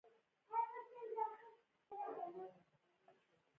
د انګرېزانو د ظلم او ستم له چنګاله څخه خلاص شـي.